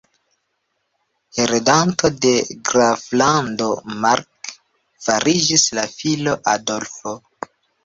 Heredanto de Graflando Mark fariĝis la filo Adolfo.